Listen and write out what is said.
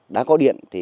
đã có điện